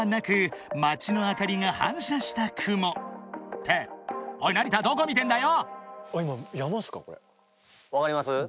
［っておい成田どこ見てんだよ！］